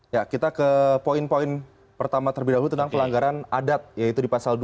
jadi kita ke poin poin pertama terlebih dahulu tentang pelanggaran adat yaitu di pasal dua